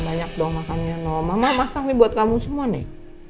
banyak dong makannya mama masak nih buat kamu semua nih